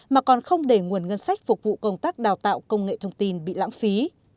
mà còn không để nguồn ngân sách phục vụ công tác đào tạo công nghệ thông tin bị lãng phí